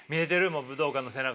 もう武道館の背中？